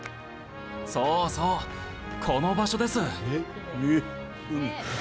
そうそうこの場所です。